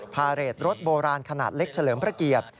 พาเรทรถโบราณขนาดเล็กเฉลิมพระเกียรติ